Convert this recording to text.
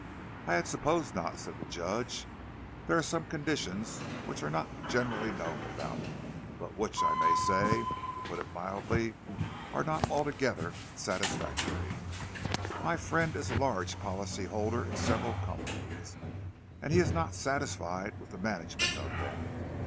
"I had supposed not," said the Judge. "There are some conditions which are not generally known about, but which I may say, to put it mildly, are not altogether satisfactory. My friend is a large policy holder in several companies, and he is not satisfied with the management of them.